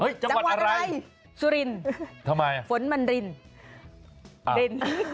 เฮ้ยจังหวัดอะไรซุรินฝนมันรินริน